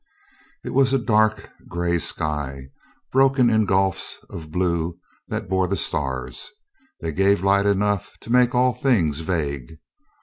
It was a dark gray sky, broken in gulfs of blue that bore the stars. They gave light enough to make all things vague.